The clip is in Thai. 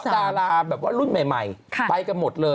ดาราแบบว่ารุ่นใหม่ไปกันหมดเลย